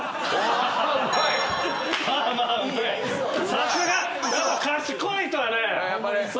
さすが。